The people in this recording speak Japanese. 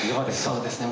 そうですね